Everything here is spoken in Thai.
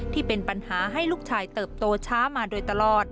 ที่เป็นปัญหาให้ลูกชายเติบโตช้ามาโดยตลอด